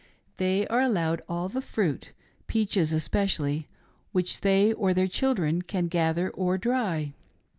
They are allowed all the fruit — peaches especially — which they or their children^ can gather or dry.